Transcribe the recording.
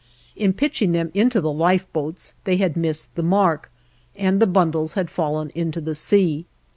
In pitching them into the lifeboats they had missed the mark and the bundles had fallen into the sea.